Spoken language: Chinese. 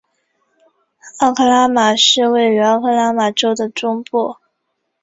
奥克拉荷马市位于奥克拉荷马州的中部。